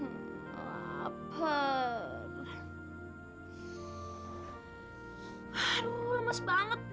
eh lupa aku mau ke rumah